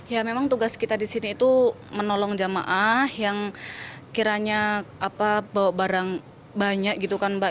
ya memang tugas kita di sini itu menolong jamaah yang kiranya bawa barang banyak gitu kan mbak